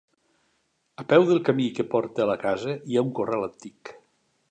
A peu del camí que porta a la casa hi ha un corral antic.